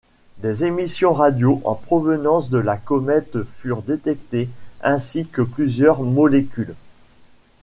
Des émissions radio en provenance de la comète furent détectées ainsi que plusieurs molécules.